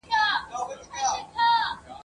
له بشپړي غوړېدا سره پلرګني ټولنیز نظام